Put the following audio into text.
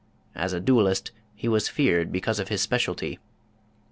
As a duelist he was feared because of his specialty.